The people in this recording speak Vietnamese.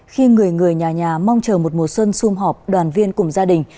khi người người nhà nhà mong chờ một mùa xuân xung họp đoàn viên cùng gia đình